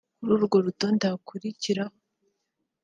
Kuri urwo rutonde hakurikiraho